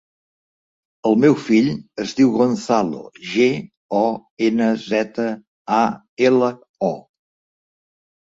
El meu fill es diu Gonzalo: ge, o, ena, zeta, a, ela, o.